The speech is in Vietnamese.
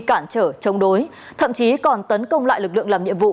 cản trở chống đối thậm chí còn tấn công lại lực lượng làm nhiệm vụ